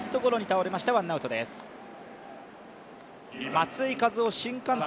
松井稼頭央新監督